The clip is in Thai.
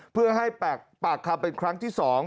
เพื่อให้ปากคำเป็นครั้งที่๒